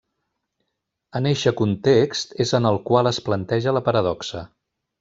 En eixe context és en el qual es planteja la paradoxa.